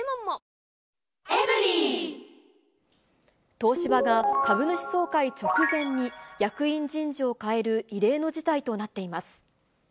東芝が株主総会直前に役員人事を変える異例の事態となっています。